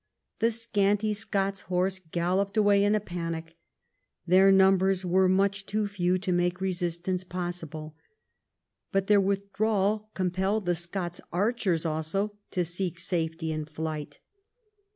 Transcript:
The scanty Scots horse galloped away in a panic. Their numbers were much too few to make resistance possible. But their with drawal compelled the Scots archers also to seek safety in flight.